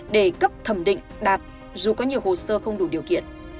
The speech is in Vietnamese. để cấp thẩm định đạt dù có nhiều hồ sơ không đủ điều kiện